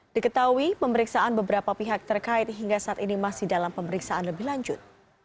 diketahui pemeriksaan beberapa pihak terkait hingga saat ini masih dalam pemeriksaan lebih lanjut